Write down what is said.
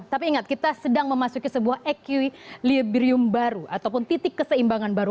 tapi ingat kita sedang memasuki sebuah equilibrium baru ataupun titik keseimbangan baru